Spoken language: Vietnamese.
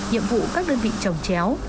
nhiệm vụ các đơn vị trồng chéo